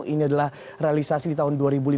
ini adalah realisasi di tahun dua ribu lima belas